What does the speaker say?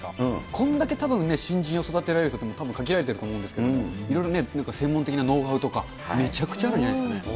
こんだけたぶんね、新人を育てられるときに、たぶん限られていると思うんですけれども、いろいろね、専門的なノウハウとか、めちゃくちゃあるんじゃないですかね。